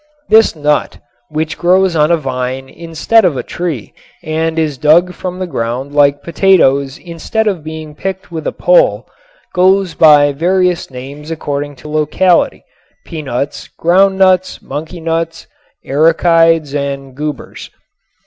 This nut, which grows on a vine instead of a tree, and is dug from the ground like potatoes instead of being picked with a pole, goes by various names according to locality, peanuts, ground nuts, monkey nuts, arachides and goobers.